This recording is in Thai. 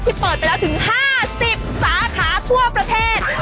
เปิดไปแล้วถึง๕๐สาขาทั่วประเทศ